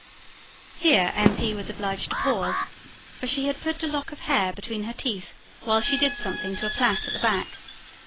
Here M. P. was obliged to pause; for she had put a lock of hair between her teeth while she did something to a plait at the back.